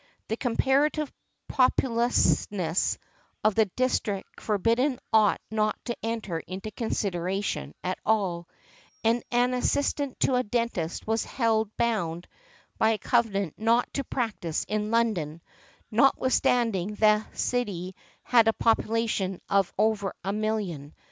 The comparative populousness of the district forbidden ought not to enter into consideration at all; and an assistant to a dentist was held bound by a covenant not to practise in London, notwithstanding that city had a population of over a million .